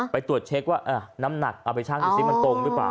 ไปตรวจเช็คว่าน้ำหนักเอาไปชั่งดูสิมันตรงหรือเปล่า